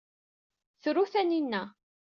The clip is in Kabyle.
Tru Taninna.